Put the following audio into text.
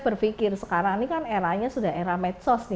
berikut sarana prasarana belajar yang menunjang keluarga ksd ini